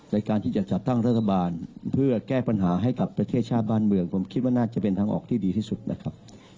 ในการที่จะจัดตั้งรัฐบาลเพื่อแก้ปัญหาให้กับประเทศชาติบ้านเมืองผมคิดว่าน่าจะเป็นทางออกที่ดีที่สุดนะครับ